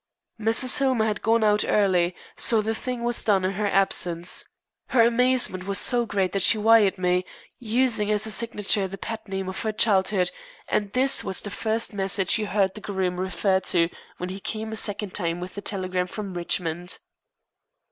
Mrs. Hillmer had gone out early, so the thing was done in her absence. Her amazement was so great that she wired me, using as a signature the pet name of her childhood, and this was the first message you heard the groom refer to when he came a second time with the telegram from Richmond.